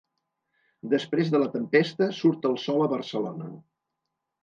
Després de la tempesta, surt el sol a Barcelona.